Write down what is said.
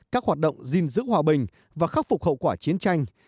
các hoạt động gìn giữ hòa bình và khắc phục hậu quả chiến tranh